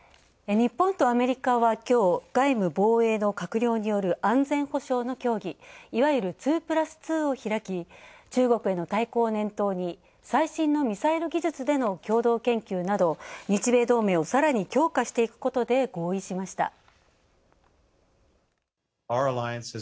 日本とアメリカはきょう、外務・防衛の閣僚による安全保障の協議、いわゆる２プラス２を開き、中国への対抗を念頭に最新のミサイル技術の共同研究など日米同盟をさらに強化していくことで合意しました。